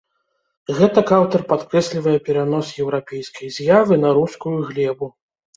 Гэтак аўтар падкрэслівае перанос еўрапейскай з'явы на рускую глебу.